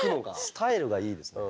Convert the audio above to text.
スタイルがいいですね。